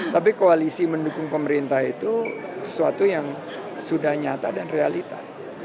tapi koalisi mendukung pemerintah itu sesuatu yang sudah nyata dan realita